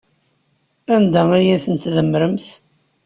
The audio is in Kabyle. Anda ay ten-tdemmremt?